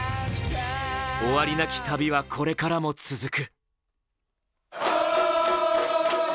終わりなき旅はこれからも続く。